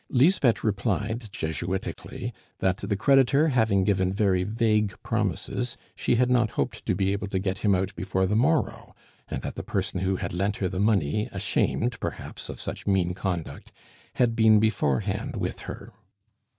Lisbeth replied Jesuitically that the creditor having given very vague promises, she had not hoped to be able to get him out before the morrow, and that the person who had lent her the money, ashamed, perhaps, of such mean conduct, had been beforehand with her.